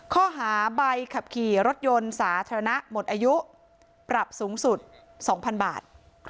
ข้อหาใบขับขี่รถยนต์สาธารณะหมดอายุปรับสูงสุด๒๐๐๐บาท